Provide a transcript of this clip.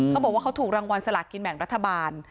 เขาบอกว่าเขาถูกรางวัลสลากินแบ่งรัฐบาล